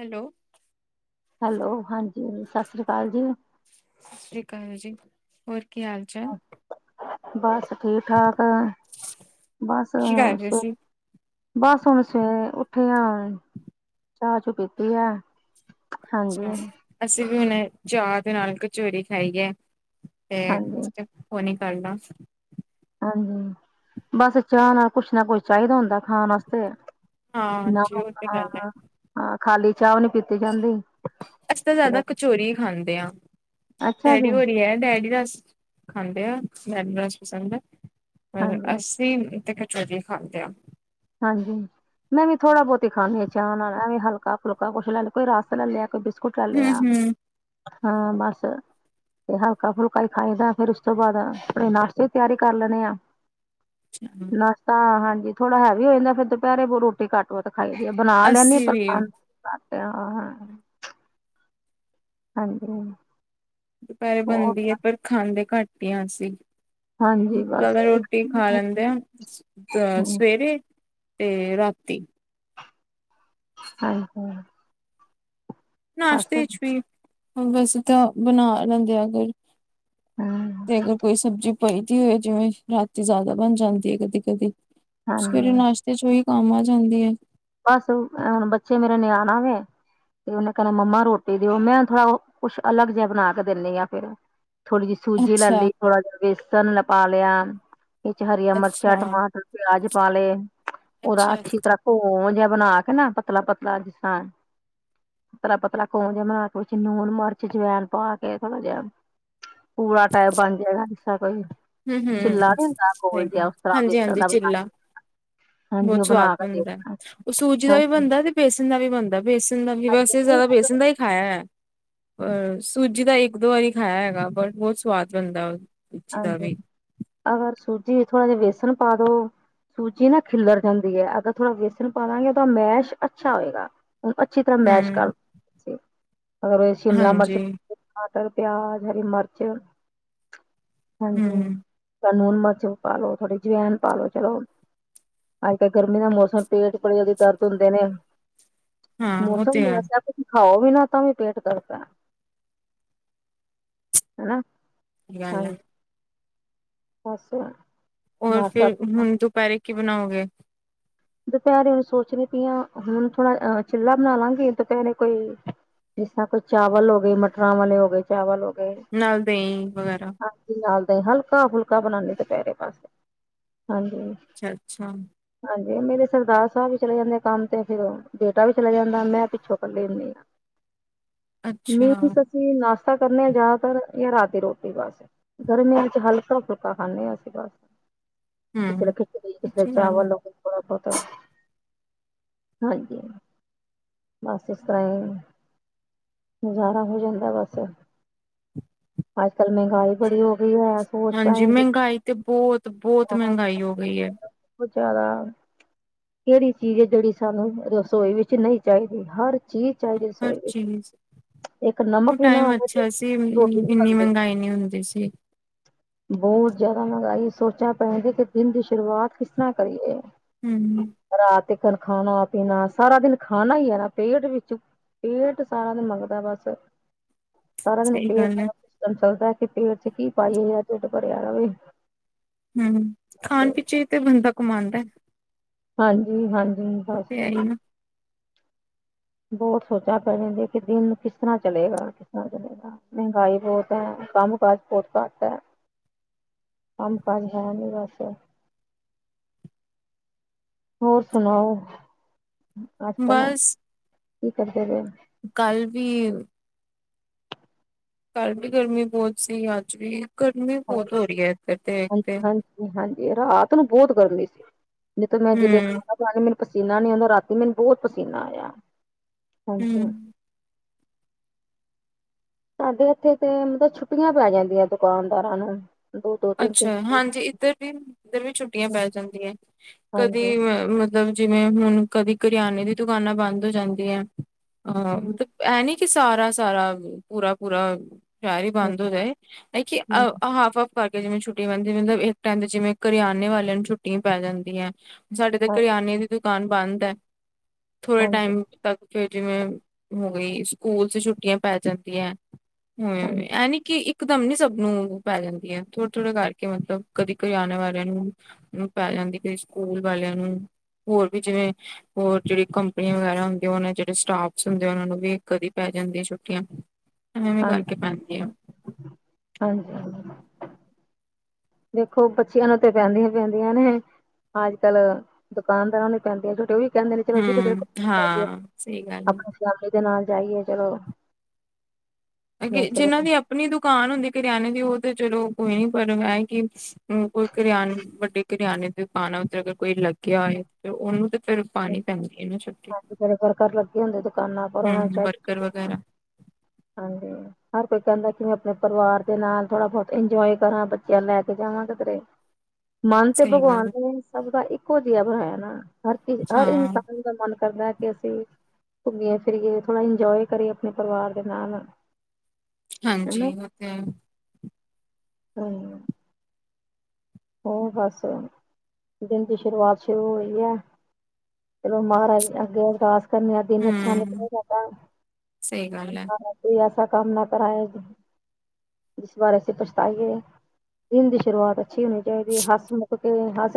Hello. Hello, ਹਾਂਜੀ ਸਤਿ ਸ੍ਰੀ ਅਕਾਲ ਜੀ। ਸਤਿ ਸ੍ਰੀ ਅਕਾਲ ਜੀ, ਹੋਰ ਕੀ ਹਾਲ ਚਾਲ? ਬਸ ਠੀਕ ਠਾਕ, ਬਸ ਕੀ ਕਰ ਰਹੇ ਸੀ ਸੁਖ ਬਸ ਹੁਣ ਸਵੇਰੇ ਉੱਠੇ ਆ, ਚਾਹ-ਚੂ ਪੀਤੀ ਹੈ। ਅੱਛਾ ਅਸੀਂ ਵੀ ਹੁਣੇ, ਚਾਹ ਦੇ ਨਾਲ ਕਚੋਰੀ ਖਾਦੀ ਹੈ। ਹਾਂਜੀ ਤੇ, ਫੋਨ ਈ ਕਰਦਾ। ਹਾਂਜੀ, ਬਸ ਚਾਹ ਨਾਲ ਕੁਛ ਨਾ ਕੁਝ ਚਾਹੀਦਾ ਹੁੰਦਾ, ਖਾਣ ਵਾਸਤੇ। ਹਾਂਜੀ ਉਹ ਤੇ ਗੱਲ ਹੈ ਹਾਂ, ਖਾਲੀ ਚਾਹ ਨੀ ਪੀਤ ਅਸੀਂ ਤਾਂ ਜ਼ਿਆਦਾ, ਕਚੋਰੀ ਹੀ ਖਾਂਦੇ ਹਾਂ। ਅੱਛਾ ਡੈਡੀ ਜੀ ਹੋਨੀ ਹੈ, ਡੈਡੀ ਰਸ ਖਾਂਦੇ ਆ। ਡੈਡੀ ਨੂੰ ਰਸ ਪਸੰਦ ਹੈ, ਪਰ ਹਾਂਜੀ ਅਸੀਂ ਅਸੀਂ ਤੇ ਕਚੋਰੀ ਖਾਂਦੇ ਆ। ਹਾਂਜੀ। ਮੈਂ ਵੀ ਥੋੜਾ ਬਹੁਤਾ ਖਾਨਦੀ ਹਾਂ ਚਾਹ ਨਾਲ, ਐ ਮ ਵੀਂ ਹਲਕਾ- ਫੁਲਕਾ ਕੁਛ ਲੈ ਲਿਆ, ਕੋਈ ਰਸ ਲਿਆ, ਕੋਈ ਬਿਸਕੁਟ। ਬਿਸਕੁਟ ਲਿਆ, ਹਮ ਹਾਂ ਬਸ। ਤੇ ਹਲਕਾ-ਫੁਲਕਾ ਹੀ ਖਾਦਾ ਫੇਰ ਉਸ ਤੋਂ ਬਾਅਦ, ਆਪਣੇ ਨਾਸ਼ਤੇ ਦੀ ਤਿਆਰੀ ਕਰ ਲੈਣਦੇ ਆ। ਹਮ ਨਸਤਾ ਹਾਂਜੀ ਥੋੜਾ ਹੈਵੀ ਹੋ ਜਾਂਦਾ, ਫਿਰ ਦੁਪਹਿਰੇ ਬਹੁ ਰੋਟੀ ਘੱਟ ਤੇ ਬਣਾ ਲਈਦੀ ਹ, ਖਾਈ ਦੀ ਅੱਸੀ ਘੱਟ ਵੀ ਆ, ਬਣਾ ਲੈਣੀ ਪਰੰ। ਹਾਂਜੀ, ਹਾਂ ਦੁਪੈਹਰੇ ਬਨਦੀ ਐ, ਪਰ ਖਾਂਦੇ ਘੱਟ ਈ ਆਂ ਅਸੀ। ਹਾਂਜੀ ਬਸ ਜਾਦਾ ਇੱਕ ਰੋਟੀ ਖਾ ਲੈਂਦੇ ਆਂ, ਅ ਸਵੇਰੇ। ਤੇ ਰਾਤੀ [unintelligible] ਬਸ ਨਾਸ਼ਤੇ 'ਚ ਵੀ ਵੈਸੇ ਤਾਂ ਬਨਾ ਲੈਂਦੇ ਆ ਅਗਰ। ਹੂੰ ਤੇ, ਅਗਰ ਕੋਈ ਸਬਜੀ ਪਈ ਦੀ ਹੋਏ, ਜਿਵੇਂ ਰਾਤੀ ਜ਼ਾਦਾ ਬਨ ਜਾਂਦੀ ਐ ਕਦੀ- ਕਦੀ, ਸਵੇਰੇ ਹਾਂਜੀ ਨਾਸ਼ ਤੇ 'ਚ ਵੀ ਕੰਮ ਆ ਜਾਂਦੀ ਐ। ਬਸ, ਹੁਨ ਬੱਚੇ ਮੇਰੇ ਨੇ ਆਨਾ ਵੇ। ਤੇ, ਓਨੇ ਕੇਨਾ ਮੰਮਾ ਰੋਟੀ ਦੇਓ, ਮੈਂ ਥੋੜਾ ਓ ਕੁਛ ਅਲੱਗ ਜੇਆ ਬਣਾ ਕੇ ਦੇਨੀ ਆ ਫੇਰ। ਥੋੜੀ ਜੇਈ ਸੂਜੀ ਲੈ ਅੱਛਾ ਲਈ, ਥੋੜਾ ਜੇਆ ਵੇਸਨ ਪਾ ਲੇਆ, ਵਿੱਚ ਹਰੀਆਂ ਮਰਚਾਂ, ਅੱਛਾ ਟਮਾਟਰ। ਪੇਆਜ ਪਾ ਲਏ, ਓਦਾ ਅੱਛਾ ਅੱਛੀ ਤਰਾਂ ਘੋਂ ਜੇਆ ਬਨਾ ਕੇ ਨਾ, ਪਤਲਾ-ਪਤਲਾ ਜਿਸ ਤਰਾਂ। ਪਤਲਾ-ਪਤਲਾ ਘੋਲ ਜੇਆ ਬਨਾ ਕੇ ਵਿੱਚ ਨੂਣ, ਮਰਚ ਜਵੈਨ ਪਾ ਕੇ ਥੋੜਾ ਜੇਆ ਪੂਰਾ, ਟੈਪ ਬਨ ਜੇਗਾ ਜਿਸ ਤਰਾਂ ਕੋਈ ਹਮ ਚਿੱਲਾ ਹਮ ਨੀਂ ਹੁੰਦਾ ਸਹੀ ਗੋਲ ਜੇਆ, ਗੱਲ ਓਸ ਤਰਾਂ ਵੇਸਣ ਦਾ ਬਨਾ ਬੌਤ ਸਵਾਦ ਬਨਦਾ, ਓ ਸੂਜੀ ਦਾ ਵੀ ਹਾਂਜੀ ਬਨਦਾ ਤੇ ਬੇਸਨ ਦਾ ਵੀ ਬਨਦਾ। ਵੇਸਣ ਦਾ ਵੀ, ਹਾਂਜੀ ਵੈਸੇ ਨਹੀਂ ਜਾਦਾ ਅਗਰ ਵੇਸਣ ਦਾ ਈ ਖਾਏਆ ਐ, ਪਰ ਸੂਜੀ ਦਾ ਇੱਕ, ਦੋ ਵਾਰੀ ਖਾਏਆ ਹੈਗਾ ਬਟ ਬੌਤ ਸਵਾਦ ਬਨਦਾ। ਹਾਂਜੀ, ਅਗਰ ਸੂਜੀ 'ਚ ਥੋੜਾ ਜੇਆ ਵੇਸਨ ਪਾ ਦੋ। ਸੂਜੀ ਨਾ ਖਿਲਰ ਜਾਂਦੀ ਐ। ਅਗਰ ਥੋੜਾ ਵੇਸਣ ਪਾ ਦਾਂਗੇ ਓਦਾ ਮੈਸ਼ ਅੱਛਾ ਹੋਏਗਾ। ਔਰ ਅੱਛੀ ਤਰਾ ਮੈਸ਼ ਹਮ ਕਰਦਾ ਗੇ ਅਗਰ ਸ਼ਿਮਲਾ ਮਰਚ। ਹਾਂਜੀ ਟਮਾਟਰ, ਪੇਆਜ, ਹਰੀ ਮਰਚ। ਹਾਂਜੀ। ਹਮ ਥੋੜਾ ਨੂਣ, ਮਿਰਚ ਪਾਲੋ ਥੋੜੀ ਜਵੈਨ ਪਾਲੋ ਚਲੋ, ਅੱਜ- ਕੱਲ ਗਰਮੀ ਦਾ ਮੌਸਮ ਪੇਟ ਭਰੇਆ ਦੇ ਦਰਦ ਹੁੰਦੇ ਨੇ, ਹਾਂ ਉਹ ਤੇ ਮੌਸਮ ਈ ਹੈ ਐਸਾ ਖਾਓ ਵੀ ਨਾ, ਤਾਂ ਵੀ ਪੇਟ ਦਰਦ ਐ, ਹੈਨਾ। [unintelligible] ਬਸ ਹੋਰ, ਨਾਸ਼ਤਾ ਫੇਰ ਹੁਨ ਦੁਪੈਰੇ ਕੀ ਬਨਾਓਗੇ? ਦੁਪੈਹਰੇ ਸੋਚਨੀ ਪਈ ਆਂ, ਹੁਨ ਥੋੜਾ ਅਹ ਚਿੱਲਾ ਬਨਾ ਲਾਂਗੇ ਦੁਪੈਹਰੇ ਕੋਈ ਜਿਸ ਤਰਾਂ ਕੋਈ ਚਾਵਲ ਹੋ ਗਏ, ਮਟਰਾਂ ਵਾਲੇ ਹੋ ਗਏ ਚਾਵਲ, ਹੋ ਗਏ ਨਾਲ ਦਈਂ ਵਗੈਰਾ ਹਾਂ [unintelligible] ਹਲਕਾ ਫੁਲਕਾ ਬਨਾਂਦੇ ਦੁਪੈਹਰੇ ਹਾਂਜੀ ਅੱਛਾ- ਅੱਛਾ। ਹਾਂਜੀ ਮੇਰੇ ਸਰਦਾਰ ਸਾਬ ਵੀ ਚਲੇ ਜਾਂਦੇ ਆ ਕੰਮ ਤੇ, ਫੇਰ ਬੇਟਾ ਵੀ ਚਲਾ ਜਾਂਦਾ, ਮੈਂ ਪਿੱਛੋਂ ਕੱਲੀ ਹੁੰਨੀ ਆਂ। ਅੱਛਾ ਮੀਨਸ ਅਸੀ ਨਾਸ਼ਤਾ ਕਰਨੇ ਆਂ ਜੈਅਦਾਤਰ ਜਾਂ ਰਾਤ ਦੀ ਰੋਟੀ ਬਸ ਗਰਮੀਆਂ ਚ ਹਲਕਾ-ਫੁਲਕਾ ਖਾਂਨੇ ਆਂ ਅਸੀਂ ਬਸ। ਕਿਸੇ ਵੇਲੇ ਹੂੰ ਖਿਚੜੀ ਕਿਸੇ ਅੱਛੀ ਗੱਲ ਏ। ਚਾਵਲ ਹੋ ਗੇ ਥੋੜਾ ਬੌਤਾ, ਹਾਂਜੀ ਹਾਂ। ਬਸ ਇਸ ਤਰਾਂ ਈ ਗੁਜਾਰਾ ਹੋ ਜਾਂਦਾ, ਬਸ। ਅੱਜ -ਕੱਲ ਮੇਹੰਗਾਈ ਬੜੀ ਹੋ ਗਈ ਹੈ ਸੋਚ ਪੈ ਹਾਂਜੀਸ ਜਾਂਦੀ ਮੇਹੰਗਾਈ ਤੇ ਬੌਤ- ਬੌਤ ਮੇਹੰਗਾਈ ਹੋ ਗਈ ਐ। ਗੁਜਾਰਾ, ਕੇਹੜੀ ਚੀਜ ਐ, ਜੇਹੜੀ ਸਾਨੂੰ ਰਸੋਈ ਵਿੱਚ ਨਈਂ ਚਾਹੀਦੀ ਹਰ ਚੀਜ ਚਾਈਦੀ ਹਰ ਰਸੋਈ ਵਿੱਚ, ਚੀਜ਼ ਇੱਕ ਨਮਕ ਵੀ ਨਾ ਹੋਏ ਤੇ ਤੇ ਰੋਟੀ ਨੀ ਇੰਨੀ ਬਣਦੀ। ਮਹਿੰਗਾਈ ਨੀ ਹੁੰਦੀ ਸੀ। ਬੌਤ ਜ਼ਿਆਦਾ ਮਗਾਈ ਸੋਚਣਾ ਪੈਗਾ ਕਿ ਦਿਨ ਦੀ ਸ਼ੁਰੂਆਤ ਕਿਸ ਤਰ੍ਹਾਂ ਕਰੀਏ। ਹਮ, ਹਮ। ਰਾਤ ਇੱਕਣ ਖਾਣਾ-ਪੀਣਾ ਸਾਰਾ ਦਿਨ ਖਾਣਾ ਈ ਏ ਨਾ ਪੇਟ ਵਿੱਚੋ। ਪੇਟ ਸਾਰਾ ਦਿਨ ਮੰਗਦਾ ਬਸ। ਸਾਰਾ ਦਿਨ ਸਹੀ ਪੇਟ ਗੱਲ ਏ ਦਾ ਸਿਸਟਮ ਚੱਲਦਾ ਕਿ ਪੇਟ ਚ ਕੀ ਪਾਈਏ ਢਿੱਡ ਭਰਿਆ ਰਵੇ। ਹਮ, ਖਾਣ ਪਿੱਛੇ ਤੇ ਬੰਦਾ ਕੰਮਾਂਦਾ। ਹਾਂਜੀ-ਹਾਂਜੀ ਤੇ ਬਸ। ਹੈ ਹੀ ਨਾ ਬੌਤ ਸੋਚਾਂ ਪੈਂਣੇ ਦੇ ਕੈ ਦਿਨ ਕਿਸ ਤਰ੍ਹਾਂ ਚਲੇਗਾ ਕਿਸ ਤਰ੍ਹਾਂ ਚਲੇਗਾ। ਮਹਿੰਗਾਈ ਬੌਤ ਏ, ਕੰਮ ਕਾਜ ਬੌਤ ਘੱਟ ਏ। ਕੰਮ ਕਾਜ ਹੈ ਨਈਂ ਬਸ। ਹੋਰ ਸੁਣਾਓ, ਅੱਜ ਕੱਲਾ ਬਸ ਕੀ ਕਰਦੇ ਪਏ? ਕੱਲ ਵੀ ਕੱਲ ਵੀ ਗਰਮੀ ਬੌਤ ਸੀ ਅੱਜ ਵੀ, ਗਰਮੀ ਬੌਤ ਹਾਂਜੀ ਹੋ ਰਹੀ ਹੈ ਇੱਧਰ ਤੇ ਇਕ ਤੇ। ਹਾਂਜੀ ਹਾਂਜੀ ਰਾਤ ਨੂੰ ਬੌਤ ਗਰਮੀ ਸੀ, ਜਿਥੇ ਨਾ ਕਿੱਥੇ ਹੂੰ-ਹੂੰ ਖਾਜ ਆ ਰਹੀ ਮੈਣ ਪਸੀਨਾ ਨੀ ਆਂਦਾ ਰਾਤੀ ਮੈਨੂੰ ਬੌਤ ਪਸੀਨਾ ਆਇਆ, ਹਾਂਜੀ। ਸਾਡੇ ਇੱਥੇ ਤੇ ਮਤਲਬ ਛੁੱਟੀਆਂ ਪੈ ਜਾਂਦੀਆਂ ਦੁਕਾਨਦਾਰਾਂ ਨੂੰ। ਦੋ-ਦੋ, ਤਿੰਨ-ਤਿੰਨ ਅੱਛਾ, ਹਾਂਜੀ ਇੱਧਰ ਵੀ, ਇੱਧਰ ਵੀ ਛੁੱਟੀਆਂ ਪੈ ਜਾਂਦੀਆਂ, ਹਾਂਜੀ, ਕਦੀ ਵ ਮਤ ਲਬ ਜਿਵੇਂ ਹੁਣ ਕਦੀ ਕਰਿਆਨੇ ਦੀ ਦੁਕਾਨਾਂ ਬੰਦ ਹੋ ਜਾਂਦੀਆਂ ਆਹ ਹੂੰ, ਮਤਲਬ। ਐ ਨੀ ਕਿ ਸਾਰਾ-ਸਾਰਾ ਪੂਰਾ-ਪੂਰਾ ਸਾਰੇ ਬੰਦ ਹੋ ਜਾਏ ਇੱਕ ਹੂੰ, ਹਾਫ-ਹਾਫ। ਬਾਕੀ ਜਿਵੇਂ ਛੁੱਟੀ ਪੈਂਦੀ ਮਤਲਬ ਇੱਕ ਟਾਈਮ ਤੇ ਜਿਵੇਂ ਕਰਿਆਨੇ ਵਾਲਿਆਂ ਨੂੰ ਛੁੱਟੀਆਂ ਪੈ ਜਾਂਦੀਆਂ ਏ। ਸਾਡੇ ਤੇ ਹਾਂ ਹਾਂਜੀ। ਕਰਿਆਨੇ ਦੀ ਦੁਕਾਨ ਬੰਦ ਏ ਥੋੜ੍ਹੇ ਹਾਂਜੀ, ਟਾਈਮ ਤੱਕ ਕੇ ਜਿਵੇਂ, ਹੋਈ ਸਕੂਲ ਚ ਛੁੱਟੀਆਂ ਪੈ ਜਾਂਦੀ ਐ। ਹੁੰ ਐ ਨੀ ਕਿ ਇੱਕ ਦਮ ਨੀ ਸਭ ਨੂੰ ਪੈ ਜਾਂਦੀ ਐ। ਥੋੜ੍ਹੇ-ਥੋੜ੍ਹੇ ਕਰਕੇ ਮਤਲਬ ਕਦੀ ਕਰਿਆਨੇ ਵਾਲਿਆਂ ਨੂੰ। ਨੂੰ ਪੈ ਜਾਂਦੀ ਕਈ ਸਕੂਲ ਵਾਲਿਆਂ ਨੂੰ, ਹੋਰ ਵੀ ਜਿਵੇਂ ਹੋਰ ਜਿਹੜੀ ਕੰਪਨੀਆਂ ਵਗੈਰਾ ਹੁੰਦੀਆਂ ਓਨਾ ਚ ਜੋ ਸਟਾਫ ਹੁੰਦੇ ਓਨਾ ਨੂੰ ਵੀ ਕਦੀ ਪੈ ਜਾਂਦੀਆਂ ਛੁੱਟੀਆਂ। ਐਵੇਂ ਕਰ ਕੇ ਪੈ ਦੀਆਂ। ਹਾਂਜੀ-ਹਾਂਜੀ। ਦੇਖੋ, ਬੱਚਿਆਂ ਨੂੰ ਤਾਂ ਪੈਂਦੀਆਂ-ਪੈਂਦੀਆਂ ਨੇ। ਅੱਜ-ਕੱਲ ਦੁਕਾਨਦਾਰਾਂ ਨੂੰ ਵੀ ਪੈਂਦੇ ਆ ਛੋਟੇ ਵੀਕ ਕਹਿੰਦੇ ਨੇ ਚਲੋ ਜੀ ਕਿਧਰ ਹਮ ਘੁੰਮਣ ਜਾਈਏ, ਹਾਂ ਸਹੀ ਗੱਲ ਹੈ ਆਪਣੀ ਫੈਮਿਲੀ ਦੇ ਨਾਲ ਜਾਈਏ ਚਲੋ। ਅਗੇ ਵੈਸੇ ਜਿਨ੍ਹਾਂ ਦੀ ਆਪ ਆਪਣੀ ਦੁਕਾਨ ਹੁੰਦੀ ਕਰਿਆਨੇ ਦੀ, ਓ ਤੇ ਚਲੋ ਕੋਈ ਨੀ, ਪਰ ਏ ਕਿ, ਕੋਈ ਕਰਿਆਨੇ ਵੱਡੇ ਕਰਿਆਨੇ ਦੇ ਪਾਣਾ, ਓਦਰ ਕੋਈ ਲੱਗਿਆ ਇਹ, ਓਨੂੰ ਤੇ ਫਿਰ ਪਾਣੀ ਪੈਂਦੀ ਇਹ ਨਾ ਛੁੱਟੀ। ਜੇਹੜੇ ਘਰ-ਘਰ ਲੱਗੇ ਹੁੰਦੇ ਦੁਕਾਨਾਂ, ਪਰ ਓਨਾ ਨੂੰ ਹਮ ਚਈ ਵਰਕਰ ਵਗੈਰਾ। ਹਾਂਜੀ। ਹਰ ਕੋਈ ਕੈਂਦਾ ਕਿ ਮੈਂ ਆਪਣੇ ਪਰਿਵਾਰ ਦੇ ਨਾਲ ਥੋੜ੍ਹਾ-ਬੌਤ ਇੰਜੌਏ ਕਰਾਂ, ਬੱਚਿਆਂ ਨੂੰ ਲੈ ਕੇ ਜਾਵਾਂ ਕਿਧਰੇ। ਮਨ ਤੇ ਸਹੀ ਭਗਵਾਨ ਗੱਲ ਨੇ ਸਭ ਦਾ ਇੱਕੋ ਜਿਹਾ ਬਣਾਇਆ ਨਾ, ਹਰ ਚੀਜ, ਹਰ ਹਾਂ, ਇਨਸਾਨ ਮਨ ਕਰਦਾ ਏ ਕਿ ਅਸੀਂ, ਘੁੰਮੀਏ-ਫਿਰੀਏ ਥੋੜ੍ਹਾ ਇੰਜੌਏ ਕਰੀਏ ਆਪਣੇ ਪਰਿਵਾਰ ਦੇ ਨਾਲ। ਹਨਾ ਹਾਂਜੀ, ਓਹ ਤੇ ਏ। ਹਮ। ਹੋਰ ਬਸ, ਦਿਨ ਦੀ ਸ਼ੁਰੂਆਤ ਸ਼ੁਰੂ ਹੋਈ ਐ। ਲੋ ਮਹਾਰਾਜ ਅੱਗੇ ਅਰਦਾਸ ਕਰਨੀ ਆ, ਦਿਨ ਅੱਛਾ ਨਿਕਲੇ ਗਾ ਤਾਂ। ਸ ਈ ਗੱਲ ਏ। ਮਹਾਰਾਜ ਕੋਈ ਐਸਾ ਕੰਮ ਨਾ ਕਰਾਯਾ ਹੋਏ ਤੁਹੀ। ਇਸ ਬਾਰ ਅਸੀ ਪਛਤਾਔਗੇ, ਦਿਨ ਦੀ ਸ਼ੁਰੂਆਤ ਅੱਛੀ ਹੋਣੀ ਚਾਈਦੀ। ਹੱਸ-ਮੁੱਖ ਕੇ ਹੱਸ